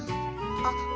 あっ。